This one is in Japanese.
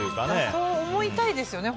そう思いたいですよね